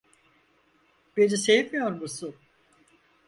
Beni sevmiyor musun?